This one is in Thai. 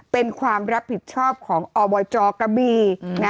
เป็นความรับผิดชอบของอบจกะบี